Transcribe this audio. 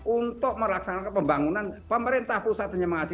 untuk melaksanakan pembangunan pemerintah pusat dan nyemang asli